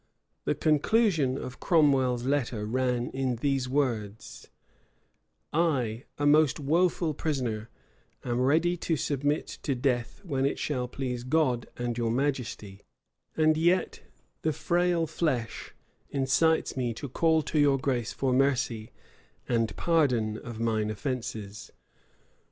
The conclusion of Cromwell's letter ran in these words: "I, a most woful prisoner, am ready to submit to death when it shall please God and your majesty; and yet the frail flesh incites me to call to your grace for mercy and pardon of mine offences.